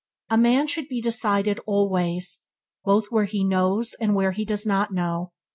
A man should be decided always, both where he knows and where he does not know.